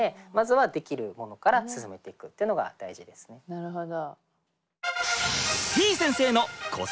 なるほど。